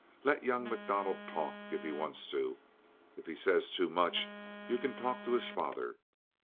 Let young MacDonald talk if he wants to. If he says too much you can talk to his father.